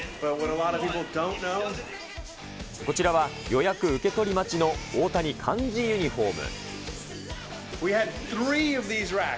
こちらは予約受け取り待ちの大谷漢字ユニホーム。